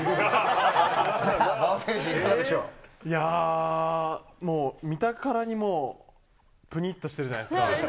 さあ、馬場選手、いかがでしいやー、もう、見たからにもう、ぷにっとしてるじゃないですか。